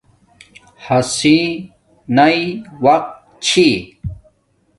ہسی ناݵ وقت چھی